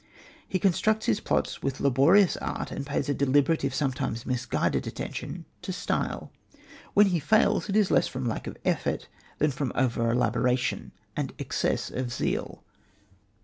He constructs his plots with laborious art, and pays a deliberate, if sometimes misguided, attention to style. When he fails, it is less from lack of effort than from over elaboration and excess of zeal.